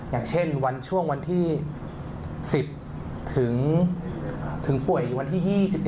อย่างเช่นวันช่วงวันที่๑๐ถึงป่วยวันที่๒๑